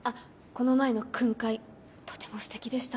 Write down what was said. この前の訓戒とても素敵でした